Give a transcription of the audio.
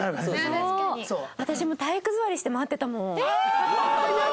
私も体育座りして待ってたもん。